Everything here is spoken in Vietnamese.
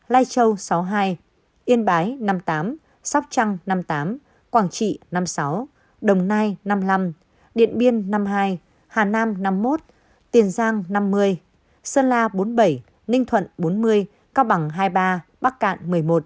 lai châu sáu mươi hai yên bái năm mươi tám sóc trăng năm mươi tám quảng trị năm mươi sáu đồng nai năm mươi năm điện biên năm mươi hai hà nam năm mươi một tiền giang năm mươi sơn la bốn mươi bảy ninh thuận bốn mươi cao bằng hai mươi ba bắc cạn một mươi một